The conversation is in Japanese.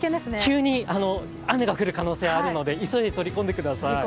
急に雨が降る可能性があるので、急いで取り込んでください。